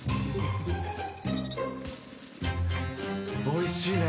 おいしいね。